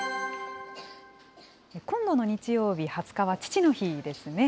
今度の日曜日２０日は父の日ですね。